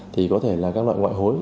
thì có thể là các loại ngoại hối